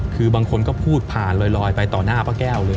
คือบางคนก็พูดผ่านลอยไปต่อหน้าป้าแก้วเลย